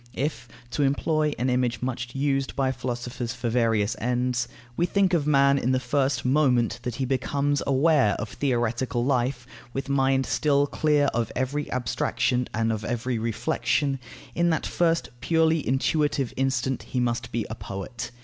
If (to employ an image much used by philosophers for various ends) we think of man, in the first moment that he becomes aware of theoretical life, with mind still clear of every abstraction and of every reflexion, in that first purely intuitive instant he must be a poet.